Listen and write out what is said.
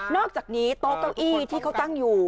อกจากนี้โต๊ะเก้าอี้ที่เขาตั้งอยู่